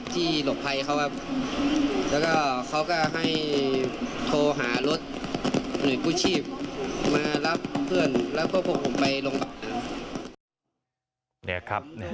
หลบภัยเขาครับแล้วก็เขาก็ให้โทรหารถหน่วยกู้ชีพมารับเพื่อนแล้วก็พวกผมไปลง